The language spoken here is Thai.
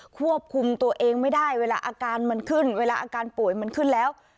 ควบคุมตัวเองไม่ได้เวลาอาการมันขึ้นเวลาอาการป่วยมันขึ้นแล้ว